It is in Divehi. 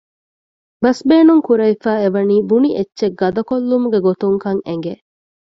ބަސް ބޭނުންކުރެވިފައި އެވަނީ ބުނި އެއްޗެއް ގަދަކޮށްލުމުގެ ގޮތުން ކަން އެނގެ